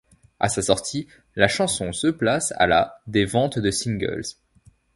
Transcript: À sa sortie, la chanson se place à la des ventes de singles.